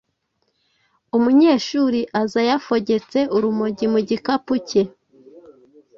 Umunyeshuri aza yafogetse urumogi mu gikapu ke,